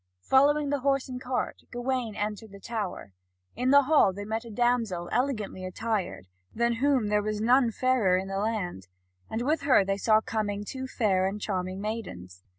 Following the horse and cart, Gawain entered the tower. In the hall they met a damsel elegantly attired, than whom there was none fairer in the land, and with her they saw coming two fair and charming maidens.